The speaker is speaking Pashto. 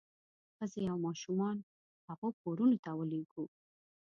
ښځې او ماشومان هغو کورونو ته ولېږو.